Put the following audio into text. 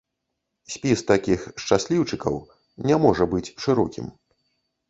Спіс такіх шчасліўчыкаў не можа быць шырокім.